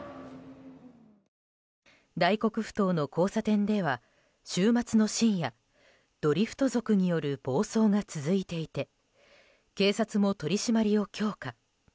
大黒ふ頭の交差点では週末の深夜ドリフト族による暴走が続いていて警察も取り締まりを強化。